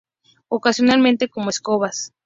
Ocasionalmente como escobas.